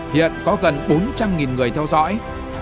hiện có gần bốn trăm linh người theo dõi